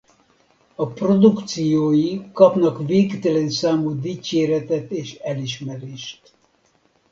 A produkciói kapnak végtelen számú dicséretet és elismerést.